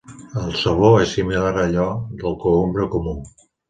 El sabor és similar a allò del cogombre comú.